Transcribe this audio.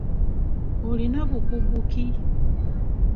Olina bukugu ki?